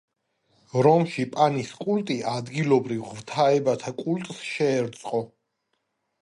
რომში პანის კულტი ადგილობრივ ღვთაებათა კულტს შეერწყო.